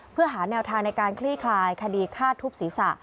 เพื่อหาแนวทางในการคลี่คลายคดีฆ่าทุบศีรษะ